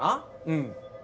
うん。